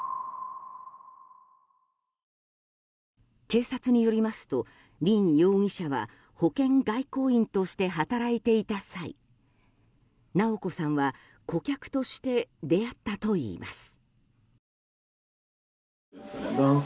警察によりますと凜容疑者は保険外交員として働いていた際直子さんは顧客として出会ったといいます。